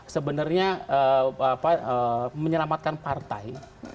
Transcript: sebenarnya menyelamatkan partai